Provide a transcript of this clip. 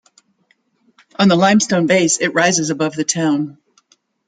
On the limestone base it rises above the town.